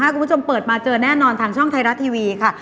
คุณผู้ชมเปิดมาเจอแน่นอนทางช่องไทยรัฐทีวีค่ะ